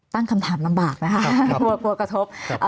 ตั้งคำถามลำบากนะครับโปรดกระทบ